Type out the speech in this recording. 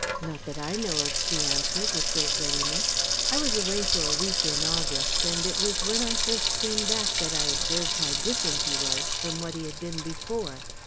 "Not that I know of," she answered, with great readiness. "I was away for a week in August, and it was when I first came back that I observed how different he was from what he had been before.